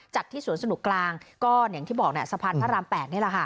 ที่สวนสนุกกลางก็อย่างที่บอกสะพานพระราม๘นี่แหละค่ะ